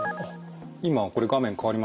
今これ画面変わりましたけど。